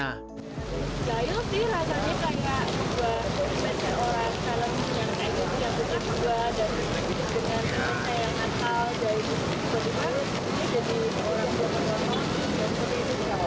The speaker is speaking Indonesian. jaya sih rasanya saya